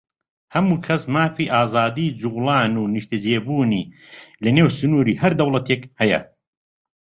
هەموو کەس مافی ئازادیی جووڵان و نیشتەجێبوونی لەنێو سنووری هەر دەوڵەتێک هەیە.